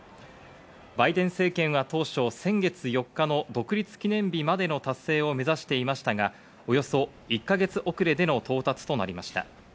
バイデン政権は当初、先月４日の独立記念日までの達成を目指していましたが、およそ１か月遅れでの到達となりました。